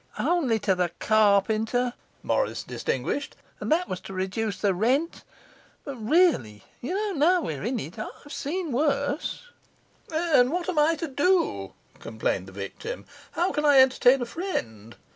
'Only to the carpenter,' Morris distinguished, 'and that was to reduce the rent. But really, you know, now we're in it, I've seen worse.' 'And what am I to do?' complained the victim. 'How can I entertain a friend?